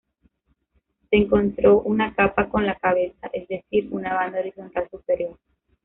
Se encontró una capa con la cabeza, es decir, una banda horizontal superior.